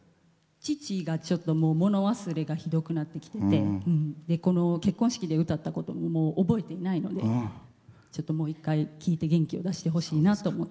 父が物忘れがひどくなってきて結婚式で歌ったことももう覚えていないのでちょっともう一回、聴いて元気出してほしいなと思って。